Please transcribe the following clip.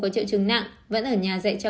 có triệu trứng nặng vẫn ở nhà dạy cho